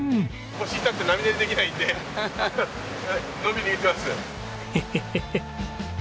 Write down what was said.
腰が痛くて波乗りできないんでのんびり見てます。